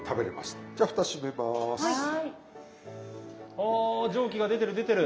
あ蒸気が出てる出てる。